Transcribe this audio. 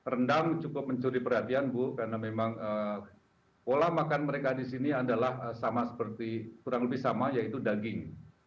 rendang cukup mencuri perhatian bu karena memang pola makan mereka di sini adalah sama seperti kurang lebih sama yaitu daging